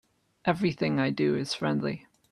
Everything I do is friendly.